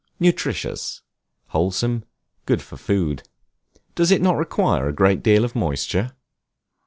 Nutritious, wholesome, good for food. Does it not require a great deal of moisture?